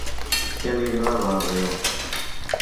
Qui li agradava a Reo?